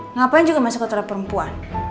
ngapain juga masuk toilet perempuan